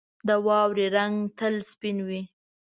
• د واورې رنګ تل سپین وي.